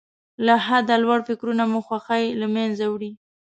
له حده لوړ فکرونه مو خوښۍ له منځه وړي.